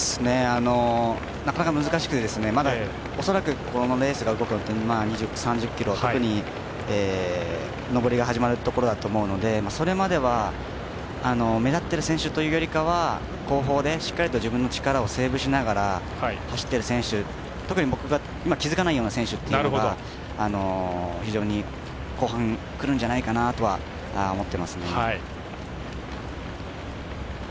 なかなか難しくて恐らくこのレースが動くのは２０３０ｋｍ上りが始まるところだと思うのでそれまでは目立ってる選手というよりかは後方でしっかりと自分の力をセーブしながら走っている選手特に僕が気付かないような選手というのが非常に後半くるんじゃないかなと思ってますね。